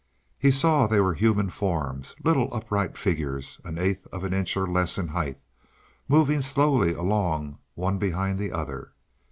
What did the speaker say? He saw they were human forms little upright figures, an eighth of an inch or less in height moving slowly along one behind the other.